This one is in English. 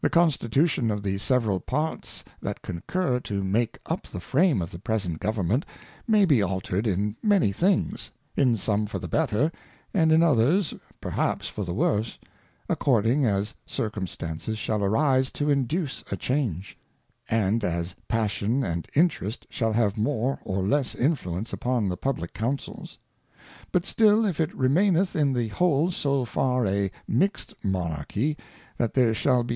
175 Constitution of the several Parts that concur to make up the Frame of the present Government may be altered in many things, in some for the better, and in others, perhaps for the worse, according as Circ^mstan^cjs_shallarisel£Lillduce A.C&fl22#e, and as Passion and Interest shall have more or less Influence upon the Publick Councils ; but still, if it remaineth in the vphole so far a mixt Monarchy, that there shall, be..